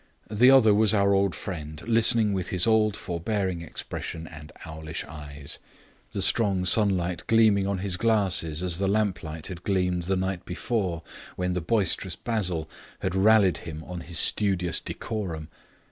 The other was our old friend, listening with his old forbearing expression and owlish eyes, the strong sunlight gleaming on his glasses as the lamplight had gleamed the night before, when the boisterous Basil had rallied him on his studious decorum.